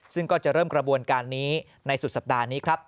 ซึ่งก็จะเริ่มกระบวนการนี้ในสุดสัปดาห์นี้ครับ